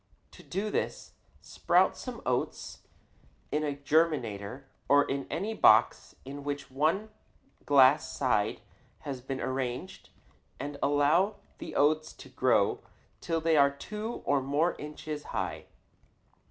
To do this, sprout some oats in a germinator or in any box in which one glass side has been arranged and allow the oats to grow till they are two or more inches high.